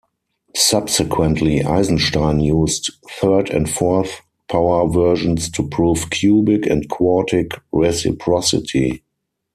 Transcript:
Subsequently, Eisenstein used third- and fourth-power versions to prove cubic and quartic reciprocity.